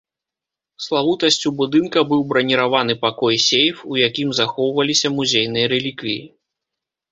Славутасцю будынка быў браніраваны пакой-сейф, у якім захоўваліся музейныя рэліквіі.